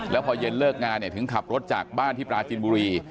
แล้วพอเย็นเลิกงานถึงขับรถจากบ้านที่ปราจินบุรี